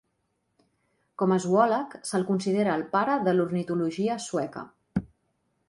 Com a zoòleg se'l considera el pare de l'ornitologia sueca.